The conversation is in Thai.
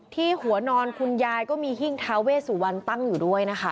ที่หัวนอนคุณยายก็มีหิ้งท้าเวสุวรรณตั้งอยู่ด้วยนะคะ